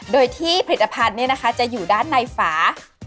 โดยที่ผลิตภัณฑ์จะอยู่ด้านในฝา